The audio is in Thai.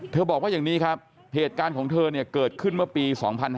บอกว่าอย่างนี้ครับเหตุการณ์ของเธอเนี่ยเกิดขึ้นเมื่อปี๒๕๕๙